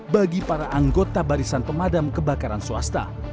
bagi para anggota barisan pemadam kebakaran swasta